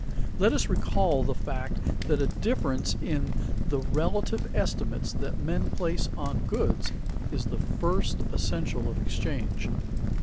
_ Let us recall the fact that a difference in the relative estimates that men place on goods is the first essential of exchange.